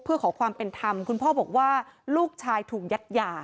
เพื่อขอความเป็นธรรมคุณพ่อบอกว่าลูกชายถูกยัดยา